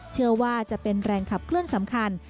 เชื่อว่าจะเป็นแรงขับเคลื่อนสำคัญ